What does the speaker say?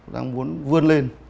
đang muốn vươn lên